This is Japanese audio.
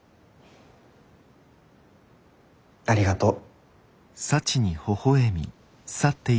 ありがとう。